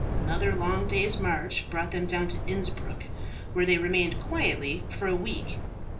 Another long day's march brought them down to Innsbruck, where they remained quietly for a week.